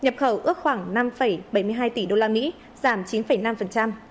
nhập khẩu ước khoảng năm bảy mươi hai tỷ đô la mỹ giảm chín năm